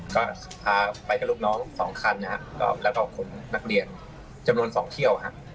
ก็พาไปกับลูกน้องสองคันนะครับแล้วก็ขนนักเรียนจำนวน๒เที่ยวฮะ